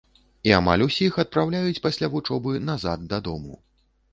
І амаль усіх адпраўляюць пасля вучобы назад, дадому.